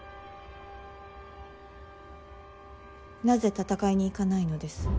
なぜ戦いに行かないのです。